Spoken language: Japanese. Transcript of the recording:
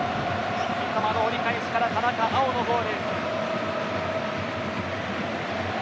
三笘の折り返しから田中碧のゴール。